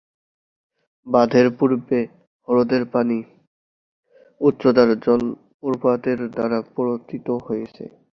বাঁধের পূর্বে, হ্রদের পানি উচ্চতার জলপ্রপাতের দ্বারা পতিত হচ্ছে।